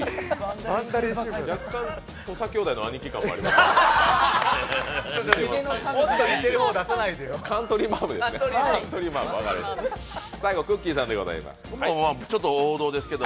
若干、土佐兄弟の兄貴感がありますけど。